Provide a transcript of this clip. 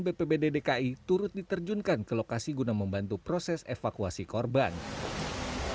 bpbd dki turut diterjunkan ke lokasi guna membantu proses evakuasi korban